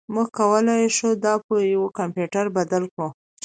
موږ کولی شو دا په یو کمپیوټر بدل کړو